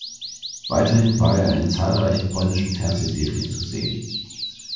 Weiterhin war er in zahlreichen polnischen Fernsehserien zu sehen.